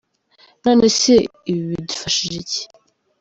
None se ibi bidufashije iki ?.